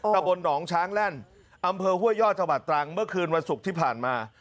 ตะบนหนองช้างแล่นอำเภอห้วยยอดจังหวัดตรังเมื่อคืนวันศุกร์ที่ผ่านมา